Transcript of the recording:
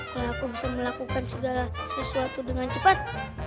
kalau aku bisa melakukan segala sesuatu dengan cepat